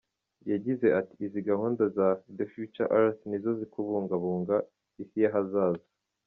Yagize ati “Izi gahunda za ‘The Future Earth’ ni izo kubungabunga Isi y’ahazaza.